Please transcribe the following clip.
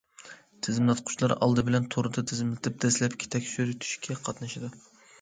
تىزىملاتقۇچىلار ئالدى بىلەن توردا تىزىملىتىپ، دەسلەپكى تەكشۈرتۈشكە قاتنىشىدۇ.